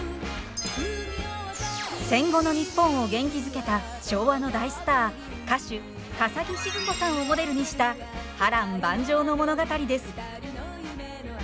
戦後の日本を元気づけた昭和の大スター歌手笠置シヅ子さんをモデルにした波乱万丈の物語です。